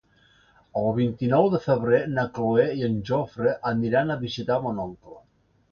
El vint-i-nou de febrer na Cloè i en Jofre aniran a visitar mon oncle.